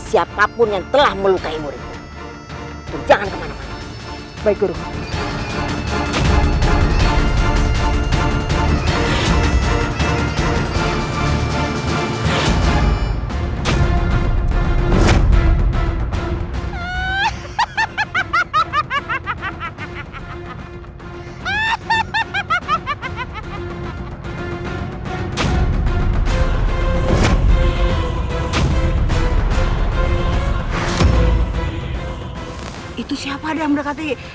siapa itu yang berkata